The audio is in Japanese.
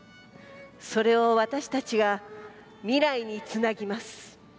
それを私たちが未来につなぎます。